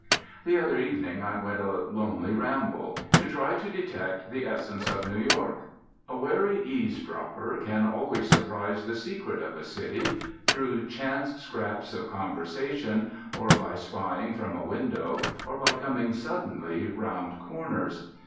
The other evening I went a lonely ramble, to try to detect the essence of New York. A wary eavesdropper can always surprise the secret of a city, through chance scraps of conversation, or by spying from a window, or by coming suddenly round corners.